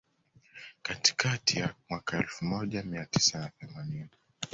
Katikati ya mwaka elfu moja mia tisa na themanini